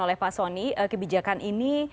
oleh fasoni kebijakan ini